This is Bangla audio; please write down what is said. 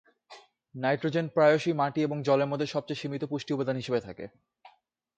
নাইট্রোজেন প্রায়শই মাটি এবং জলের মধ্যে সবচেয়ে সীমিত পুষ্টি উপাদান হিসেবে থাকে।